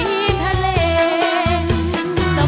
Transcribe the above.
มาฟังอินโทรเพลงที่๑๐